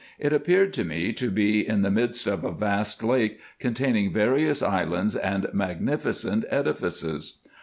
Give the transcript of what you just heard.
It appeared to me to be in the midst of a vast lake containing various islands and magnificent edifices.